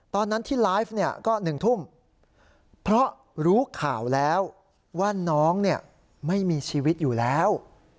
ตอนนั้นที่ไลฟ์เนี่ยก็๑ทุ่มเพราะรู้ข่าวแล้วว่าน้องไม่มีชีวิตอยู่แล้ว